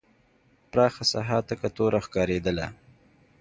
پراخه ساحه تکه توره ښکارېدله.